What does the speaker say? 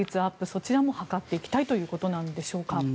そちらも図っていきたいということなんでしょうか。